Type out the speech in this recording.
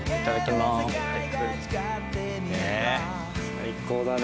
最高だね。